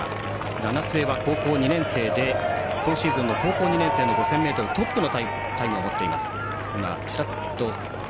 七枝は高校２年生で今シーズンの高校２年生の５０００ｍトップのタイムを持っています。